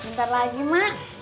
ntar lagi mak